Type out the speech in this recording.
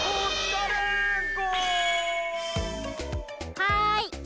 はい！